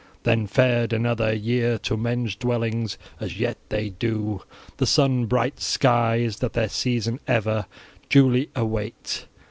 Then fared another year to men's dwellings, as yet they do, the sunbright skies, that their season ever duly await.